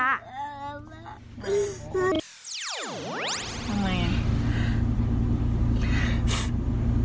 คิดถึงพ่อมาก